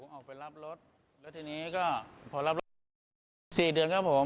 ออกไปรับรถแล้วทีนี้ก็พอรับรถมา๔เดือนครับผม